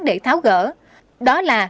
để tháo gỡ đó là